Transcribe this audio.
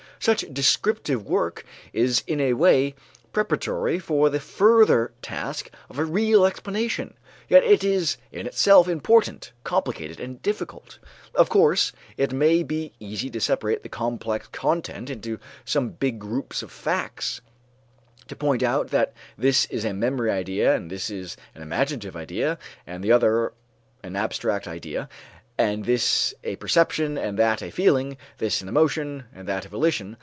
Such descriptive work is in a way preparatory for the further task of real explanation; yet it is in itself important, complicated, and difficult. Of course, it may be easy to separate the complex content into some big groups of facts, to point out that this is a memory idea and this an imaginative idea and the other an abstract idea, and this a perception and that a feeling, this an emotion and that a volition.